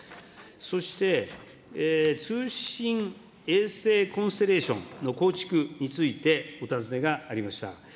そして、通信衛星コンステレーションの構築についてお尋ねがありました。